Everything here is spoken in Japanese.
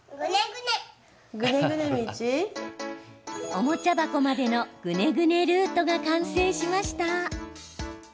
おもちゃ箱までのぐねぐねルートが完成しました。